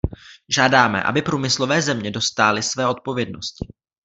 Žádáme, aby průmyslové země dostály své odpovědnosti.